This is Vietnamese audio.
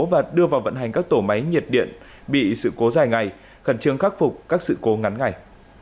và đưa vào vận hành các tổ máy nhiệt điện bị sự cố dài ngày khẩn trương khắc phục các sự cố ngắn ngày